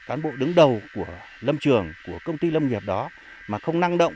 cán bộ đứng đầu của lâm trường của công ty lâm nghiệp đó mà không năng động